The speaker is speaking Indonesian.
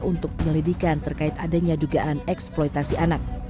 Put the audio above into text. untuk penyelidikan terkait adanya dugaan eksploitasi anak